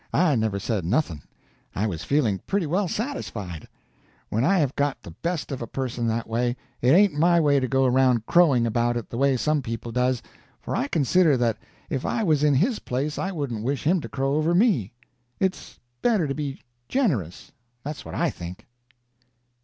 I never said nothing; I was feeling pretty well satisfied. When I have got the best of a person that way, it ain't my way to go around crowing about it the way some people does, for I consider that if I was in his place I wouldn't wish him to crow over me. It's better to be generous, that's what I think.